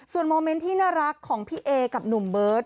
โมเมนต์ที่น่ารักของพี่เอกับหนุ่มเบิร์ต